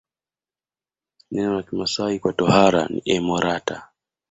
Neno la Kimasai kwa tohara ni emorata